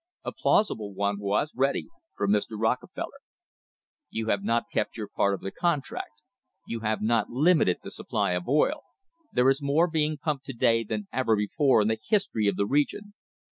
A plausible one was ready from Mr. Rockefeller. "You have not kept your part of the con tract — you have not limited the supply of oil* — there is more being pumped to day than ever before in the history of the re gion.